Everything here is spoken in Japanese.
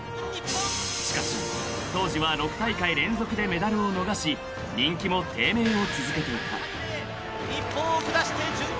［しかし当時は６大会連続でメダルを逃し人気も低迷を続けていた］